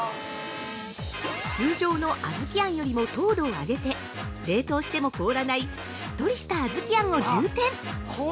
◆通常の小豆あんよりも糖度を上げて、冷凍しても凍らないしっとりした小豆あんを充填。